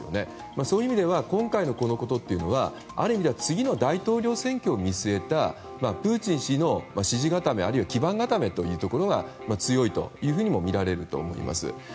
そういう意味では今回のこのことはある意味次の大統領選挙を見据えたプーチン氏の支持固めあるいは基盤固めというところが強いというふうにみられると思います。